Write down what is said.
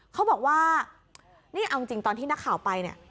เขาบอกว่านี่เอาจริงตอนที่นักข่าวไปเนี่ย